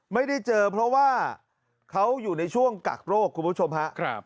ไม่ได้เจอเพราะว่าเขาอยู่ในช่วงกักโรคคุณผู้ชมฮะ